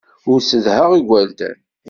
Ur ssedhaɣ igerdan.